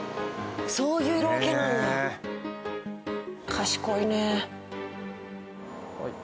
賢いね。